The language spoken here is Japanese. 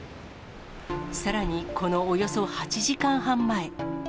さらに、このおよそ８時間半前。